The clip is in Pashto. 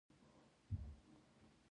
اقلیم د افغانستان د شنو سیمو ښکلا ده.